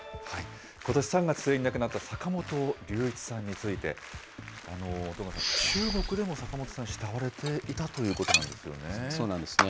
ことし３月末に亡くなった坂本龍一さんについて、戸川さん、中国でも坂本さん、慕われていたといそうなんですよね。